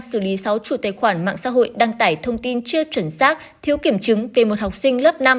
xử lý sáu chủ tài khoản mạng xã hội đăng tải thông tin chưa chuẩn xác thiếu kiểm chứng về một học sinh lớp năm